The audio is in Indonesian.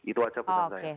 itu saja pesan saya